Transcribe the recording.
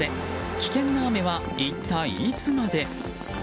危険な雨は一体いつまで？